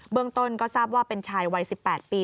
เมืองต้นก็ทราบว่าเป็นชายวัย๑๘ปี